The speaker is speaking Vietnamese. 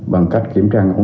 bằng cách kiểm tra ổn định